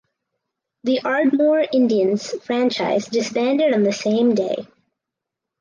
The Ardmore Indians franchise disbanded on the same day.